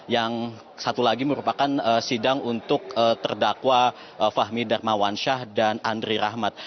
yang satu lagi merupakan sidang untuk terdakwa fahmi darmawan syah dan andri rahmat